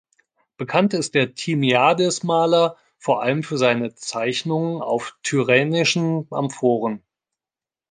Bekannt ist der Timiades-Maler vor allem für seine Zeichnungen auf Tyrrhenischen Amphoren.